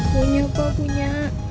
punya pak punya